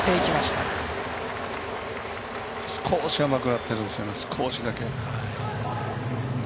少し甘くなってるんですよね少しだけ。